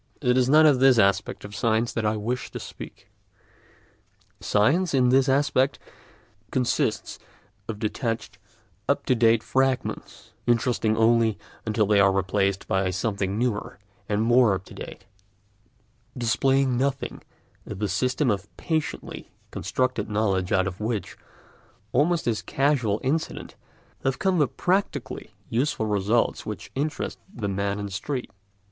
It is not of this aspect of science that I wish to speak. Science, in this aspect, consists of detached up to date fragments, interesting only until they are replaced by something newer and more up to date, displaying nothing of the systems of patiently constructed knowledge out of which, almost as a casual incident, have come the practically useful results which interest the man in the street.